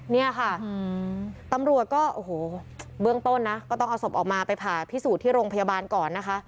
เนี่ยค่ะตำรวจก็โอ้โหเบื้องต้นนะก็ต้องเอาศพออกมาไปผ่าพิสูจน์ที่โรงพยาบาลก่อนนะคะ